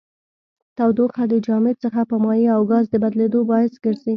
تودوخه د جامد څخه په مایع او ګاز د بدلیدو باعث ګرځي.